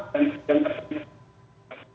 dan yang terjadi adalah terkait